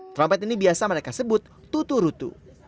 trompet ini biasa mereka sebut tutu rutu